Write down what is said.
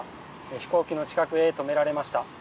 飛行機の近くへ止められました。